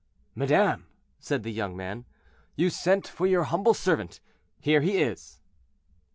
"Madame," said the young man, "you sent for your humble servant—here he is."